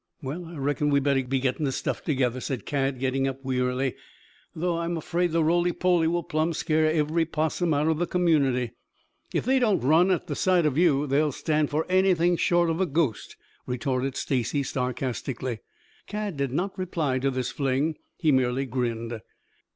"Well, I reckon we'd better be getting the stuff together," said Cad getting up wearily. "Though I'm afraid the roly poly will plumb scare every 'possum out of the community." "If they don't run at sight of you, they'll stand for anything short of a ghost," retorted Stacy sarcastically. Cad did not reply to this fling. He merely grinned.